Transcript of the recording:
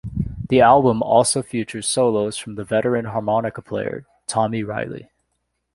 The album also features solos from the veteran harmonica player Tommy Reilly.